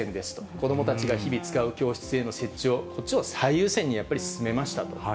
子どもたちが日々使う教室への設置を、こっちを最優先に進めましたと。